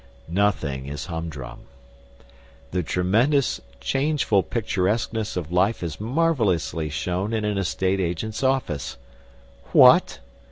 Nothing is humdrum. The tremendous, changeful picturesqueness of life is marvellously shown in an estate agent's office. What!